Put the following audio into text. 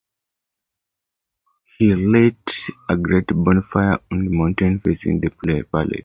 He lit a great bonfire on a mountain facing the palace.